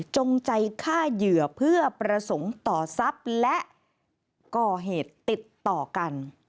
จงใจฆ่าเหยื่อเพื่อประสงค์ต่อทรัพย์และก่อเหตุติดต่อกัน